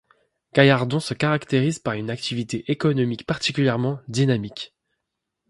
Gallardon se caractérise par une activité économique particulièrement dynamique.